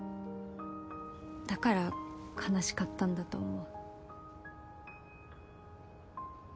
だから悲しかったんだと思う。